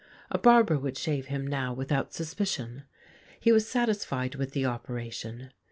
A barber would shave him now without sus picion. He was satisfied with the operation.